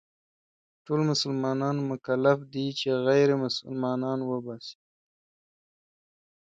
ټول مسلمانان مکلف دي چې غير مسلمانان وباسي.